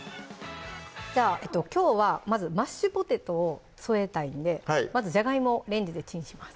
きょうはまずマッシュポテトを添えたいんでまずじゃがいもをレンジでチンします